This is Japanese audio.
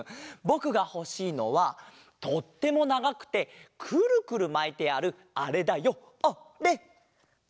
ぼくがほしいのはとってもながくてくるくるまいてあるあれだよあれ！